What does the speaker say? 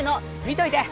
見といて！